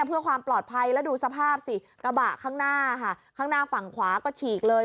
เพื่อความปลอดภัยแล้วดูสภาพสิกระบะข้างหน้าค่ะข้างหน้าฝั่งขวาก็ฉีกเลย